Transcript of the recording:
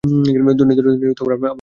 ধনী-দরিদ্র নিয়ে আমরা মাথা ঘামাই না।